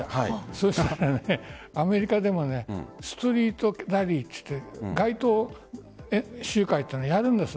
そしたらアメリカでもストリートラリーといって街頭集会をやるんです。